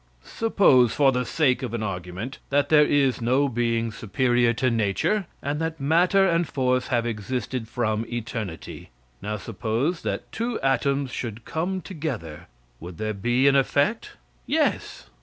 Suppose, for the sake of an argument, that there is no being superior to nature, and that matter and force have existed from eternity. Now suppose that two atoms should come together, would there be an effect? Yes.